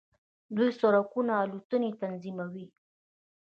دوی سړکونه او الوتنې تنظیموي.